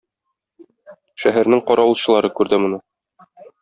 Шәһәрнең каравылчылары күрде моны.